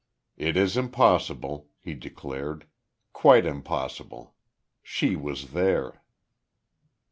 "It is impossible," he declared. "Quite impossible. She was there."